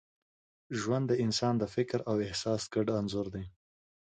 ژوند د انسان د فکر او احساس ګډ انځور دی.